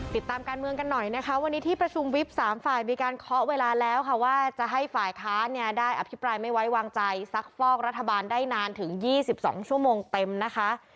ติดตามการเมืองกันหน่อยนะคะวันนี้ที่ประชุมวิบ๓ฝ่ายมีการเคาะเวลาแล้วค่ะว่าจะให้ฝ่ายค้าเนี่ยได้อภิปรายไม่ไว้วางใจซักฟอกรัฐบาลได้นานถึง๒๒ชั่วโมงเต็มนะคะ